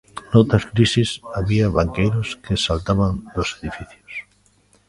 Noutras crises había banqueiros que saltaban dos edificios.